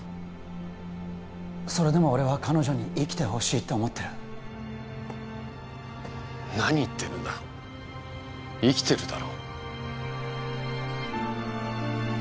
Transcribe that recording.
それでも俺は彼女に生きてほしいって思ってる何言ってるんだ生きてるだろ